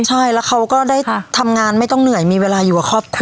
ใช่แล้วเขาก็ได้ทำงานไม่ต้องเหนื่อยมีเวลาอยู่กับครอบครัว